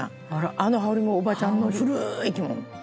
「あの羽織もおばちゃんの古い着物」